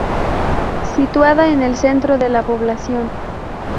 Situada en el centro de la población.